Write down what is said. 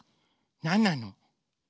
なんなの？